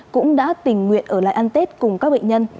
cũng đã tình nguyện ở lại ăn tết cùng các bệnh nhân